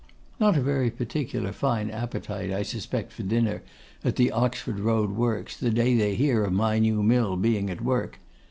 not a very particular fine appetite, I suspect, for dinner, at the Oxford Road Works, the day they hear of my new mill being at work.